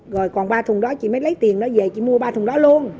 rồi còn ba thùng đó chị mới lấy tiền đó về chị mua ba thùng đó luôn